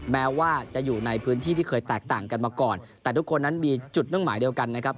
แม้ว่าจะอยู่ในพื้นที่ที่เคยแตกต่างกันมาก่อนแต่ทุกคนนั้นมีจุดมุ่งหมายเดียวกันนะครับ